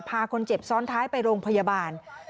พาคนเจ็บซ้อนท้ายไปโรงพยาบาล